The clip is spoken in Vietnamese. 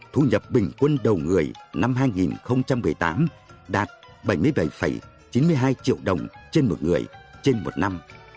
thu nhập bình quân đầu người năm hai nghìn một mươi tám đạt bảy mươi bảy chín mươi hai triệu đồng trên một người trên một năm